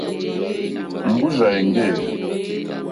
Mbúrzà èŋɡê.